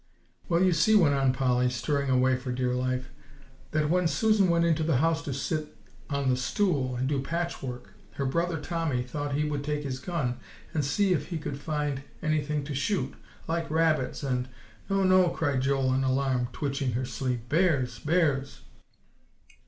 "Well, you see," went on Polly, stirring away for dear life, "that when Susan went into the house to sit on the stool and do patchwork, her brother Tommy thought he would take his gun and see if he could find anything to shoot, like rabbits, and" "No no," cried Joel in alarm, twitching her sleeve, "bears, bears!"